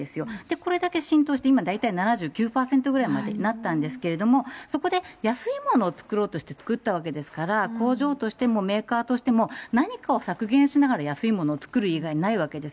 これだけ浸透して、今、大体７９％ぐらいにまでなったんですけれども、そこで安いものを作ろうとして作ったわけですから、工場としてもメーカーとしても何かを削減しながら安いものを作る以外にないわけです。